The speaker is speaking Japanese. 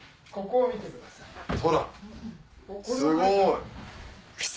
虎すごい。